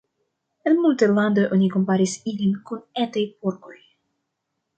En multaj landoj oni komparis ilin kun etaj porkoj.